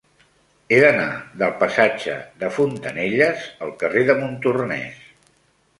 He d'anar del passatge de Fontanelles al carrer de Montornès.